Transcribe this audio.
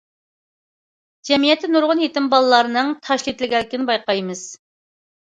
جەمئىيەتتە نۇرغۇن يېتىم بالىلارنىڭ تاشلىۋېتىلگەنلىكىنى بايقايمىز.